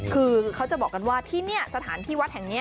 คือเขาจะบอกกันว่าที่นี่สถานที่วัดแห่งนี้